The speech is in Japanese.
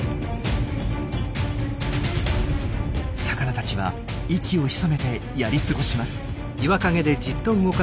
魚たちは息を潜めてやり過ごします。